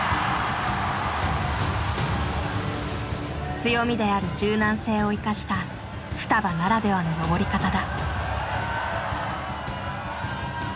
強みである柔軟性を生かしたふたばならではの登り方だ。